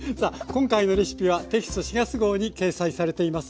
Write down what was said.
今回のレシピはテキスト４月号に掲載されています。